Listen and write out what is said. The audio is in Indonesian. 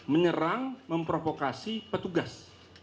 menyerang memprovokasi petugas